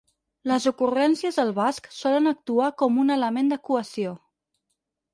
Les ocurrències del basc solen actuar com un element de cohesió.